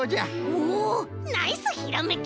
おおナイスひらめき！